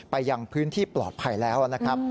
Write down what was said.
ยังพื้นที่ปลอดภัยแล้วนะครับ